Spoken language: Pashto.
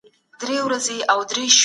بحث باید علمي وي.